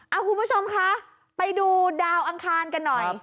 เอาคุณผู้ชมคะไปดูดาวอังคารกันหน่อย